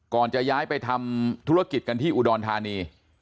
จะย้ายไปทำธุรกิจกันที่อุดรธานี